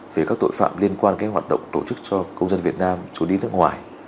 về các tội phạm liên quan hoạt động tổ chức cho công dân việt nam trốn đi nước ngoài